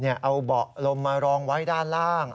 เอาเบาะลมมารองไว้ด้านล่าง